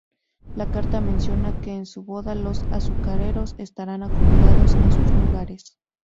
La carta menciona que en su boda los azucareros estarán acomodados en sus lugares.